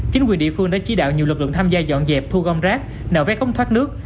chính quyền địa phương đã chỉ đạo nhiều lực lượng tham gia dọn dẹp thu gom rác nạo vét cống thoát nước